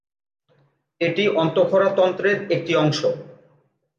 এটি অন্তঃক্ষরা তন্ত্রের একটি অংশ।